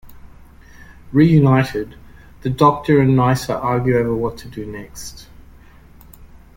Reunited, the Doctor and Nyssa argue over what to do.